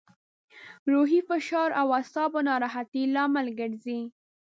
روحي فشار او اعصابو ناراحتي لامل ګرځي.